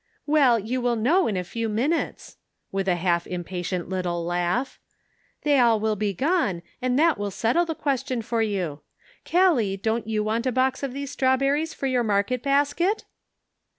"Well, you will know in a few minutes," with a half impatient little laugh. " They will all be gone, and that will settle the ques tion for you. Gallic, don't you want a box of these strawberries for your market basket